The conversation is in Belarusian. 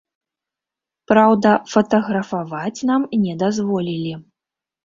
Праўда, фатаграфаваць нам не дазволілі.